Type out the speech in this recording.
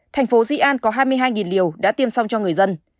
thành phố di an có hai mươi hai liều đã tiêm xong cho người dân